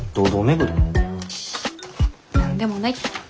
何でもない。